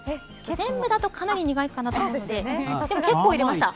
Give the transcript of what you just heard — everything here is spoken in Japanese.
全部だとかなり苦いかなと思うのででも結構入れました。